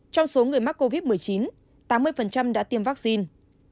trong số người mắc covid một mươi chín tám mươi đã tiêm vaccine